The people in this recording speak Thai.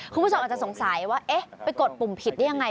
คุณผู้ชมอาจจะสงสัยว่าเอ๊ะไปกดปุ่มผิดได้ยังไง